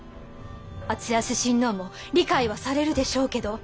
敦康親王も理解はされるでしょうけど。